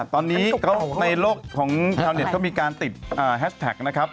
ตอนนี้ในโลกของชาวเน็ตเขามีการติดแฮชแท็กนะครับ